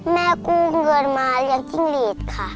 แม่กู้เงินมาเลี้ยงจิ้งหลีดค่ะ